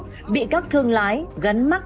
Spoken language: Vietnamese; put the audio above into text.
tùa đi các tỉnh phía bắc